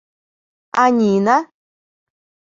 А Нина?